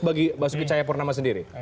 bagi mas yusuf cahayapurnama sendiri